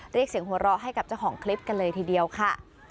เรียกเสียงหัวเราะให้กับเจ้าของคลิปกันเลยทีเดียวค่ะ